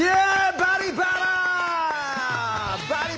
「バリバラ」！